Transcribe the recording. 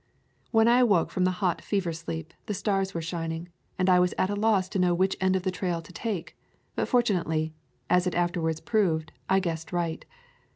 When I awoke from the hot fever sleep, the stars were shining, and I was at a loss to know which end of the trail to take, but fortunately, as it afterwards proved, I guessed right.